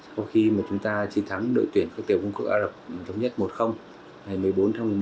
sau khi chúng ta chiến thắng đội tuyển các tiểu quân quốc ả rập tổng nhất một ngày một mươi bốn tháng một mươi một